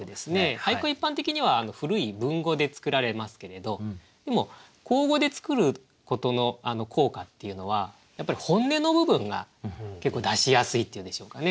俳句は一般的には古い文語で作られますけれどでも口語で作ることの効果っていうのは本音の部分が結構出しやすいっていうんでしょうかね。